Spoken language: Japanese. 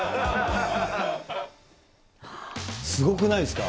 すごくないですか？